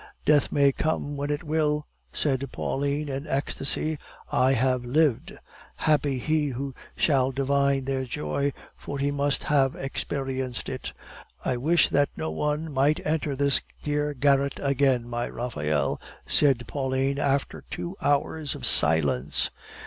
"Death may come when it will," said Pauline in ecstasy; "I have lived!" Happy he who shall divine their joy, for he must have experienced it. "I wish that no one might enter this dear garret again, my Raphael," said Pauline, after two hours of silence.